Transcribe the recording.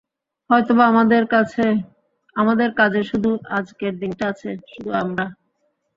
হয়তোবা আমাদের কাজে শুধু, আজকের দিনটা আছে, শুধু আমরা।